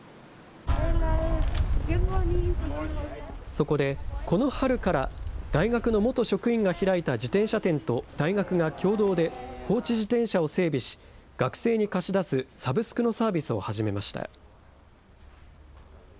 そこでこの春から、大学の元職員が開いた自転車店と大学が共同で放置自転車を整備し、学生に貸し出すサブスクのサービスを始めました。